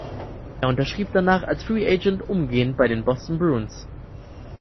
Er unterschrieb danach als Free Agent umgehend bei den Boston Bruins.